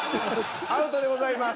アウトでございます。